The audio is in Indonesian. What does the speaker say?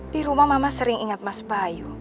di rumah mama sering ingat mas bayu